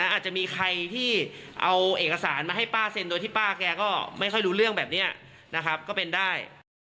อาจจะมีใครที่เอาเอกสารมาให้ป้าเซ็นโดยที่ป้าแกก็ไม่ค่อยรู้เรื่องแบบนี้นะครับก็เป็นได้